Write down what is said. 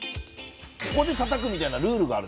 ここで叩くみたいなルールがある？